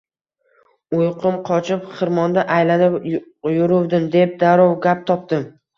– Uyqum qochib, xirmonda aylanib yuruvdim, – deb darrov gap topdim